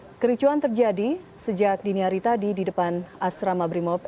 kericuan terjadi sejak dini hari tadi di depan asrama brimob